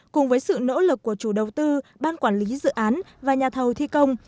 cùng với sự nỗ lực của chủ đầu tư ban quản lý dự án và nhà thầu thi công